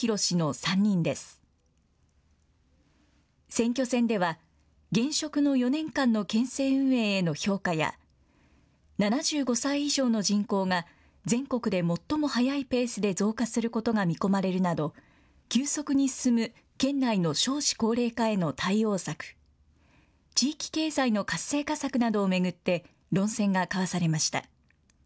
選挙戦では、現職の４年間の県政運営への評価や、７５歳以上の人口が全国で最も速いペースで増加することが見込まれるなど、急速に進む県内の少子高齢化への対応策、地域経済の活性化策などを巡って、論戦が交わされました。